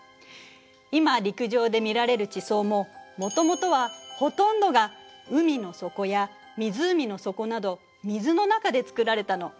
今陸上で見られる地層ももともとはほとんどが海の底や湖の底など水の中で作られたの。